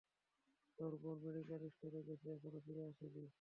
তোর বোন মেডিকেল স্টোরে গেছে, এখনো ফিরে আসেনি।